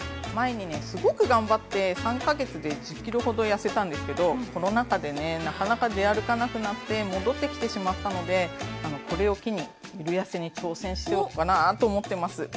前にねすごく頑張って３か月で１０ｋｇほどやせたんですけどコロナ禍でねなかなか出歩かなくなって戻ってきてしまったのでこれを機にゆるやせに挑戦しようかなと思ってます。